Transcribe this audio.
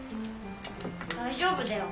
大丈夫だよ。